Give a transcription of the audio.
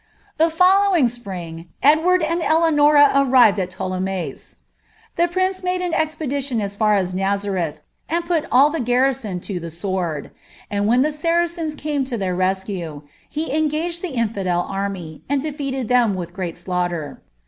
*^ The following spring, Edwanl and Eleanora arrived at PuAetuSm Tlie prince made an expedition as far as Naiareth,' and pul all the gar ' rison lo the sword ; and when the Saracens came U> their rescue, ht engaged the infidel army, and defeated ihem with great elanghier.